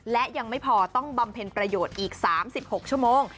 และยังไม่พอต้องบำเพ็ญประโยชน์อีก๓๖ชั่วโมง